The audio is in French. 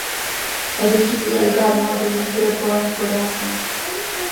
Elle écrit également de nombreux poèmes pour enfants.